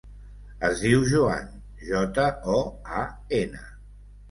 Es diu Joan: jota, o, a, ena.